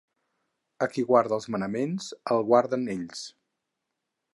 A qui guarda els Manaments, el guarden ells.